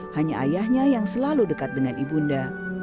hanya ayahnya yang selalu dekat dengan ibunda